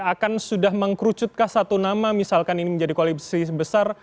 akan sudah mengkerucutkah satu nama misalkan ini menjadi koalisi besar